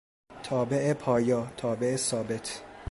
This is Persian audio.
تابع پایا، تابع ثابت